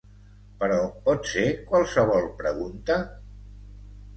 Però pot ser qualsevol pregunta?